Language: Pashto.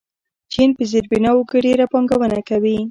چین په زیربناوو کې ډېره پانګونه کوي.